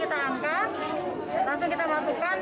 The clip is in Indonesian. sudah berapa lama